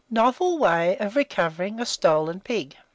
NOVEL WAY OF RECOVERING A STOLEN PIG.